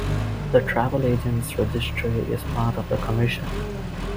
The Travel Agents Registry is part of the commission.